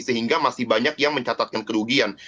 sehingga masih banyak yang mencatatkan kerugian